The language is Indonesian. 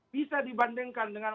bisa dibandingkan dengan